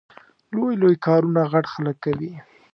لوی لوی کارونه غټ خلګ کوي